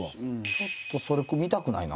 ちょっとそれ見たくないな。